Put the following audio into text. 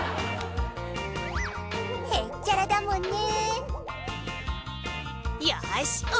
へっちゃらだもんね。